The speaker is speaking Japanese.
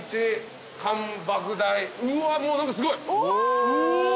うわっもう何かすごい！うお！